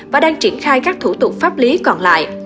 và đang triển khai các thủ tục pháp lý còn lại